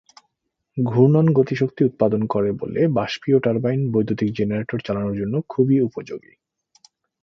ঘূর্ণন গতিশক্তি উৎপাদন করে বলে বাষ্পীয় টার্বাইন বৈদ্যুতিক জেনারেটর চালনার জন্য খুবই উপযোগী।